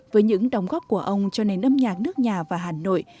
với những đóng góp của ông cho nền âm nhạc nước nhà và hà nội